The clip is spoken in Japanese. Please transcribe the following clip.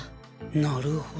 なるほど。